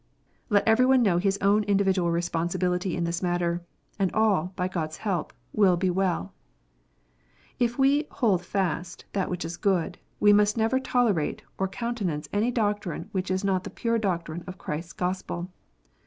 Let every one know his own individual responsibility in this matter ; and all, by God s help, will be well. If we would "hold fast" that which is good, we must never tolerate or countenance any doctrine which is not the pure doctrine of Christ s Gospel.